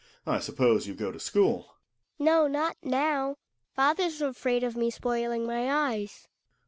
I suppose you go to school. Hedvig. No, not now; father's afraid of me spoiling my eyes.